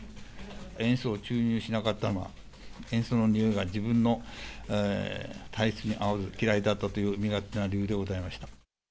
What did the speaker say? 塩素を注入しなかったのは、塩素のにおいが自分の体質に合わず、嫌いだったという身勝手な理由でございました。